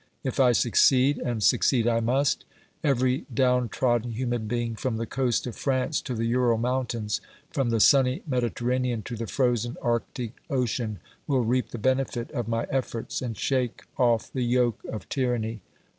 If I succeed, and succeed I must, every down trodden human being from the coast of France to the Ural Mountains, from the sunny Mediterranean to the frozen Arctic Ocean, will reap the benefit of my efforts and shake off the yoke of tyranny.